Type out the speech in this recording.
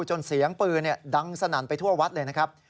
เสียงปืนดังสนั่นไปทั่ววัดเลยนะครับ